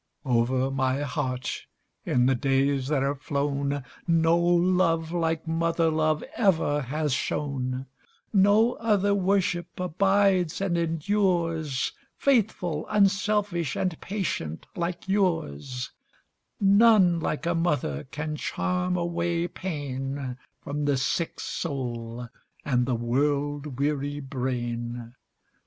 Over my heart, in the days that are flown, No love like mother love ever has shone; No other worship abides and endures,—Faithful, unselfish, and patient like yours:None like a mother can charm away painFrom the sick soul and the world weary brain.